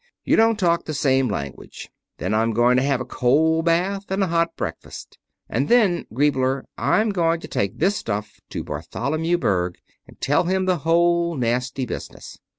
You don't talk the same language. Then I'm going to have a cold bath, and a hot breakfast. And then, Griebler, I'm going to take this stuff to Bartholomew Berg and tell him the whole nasty business.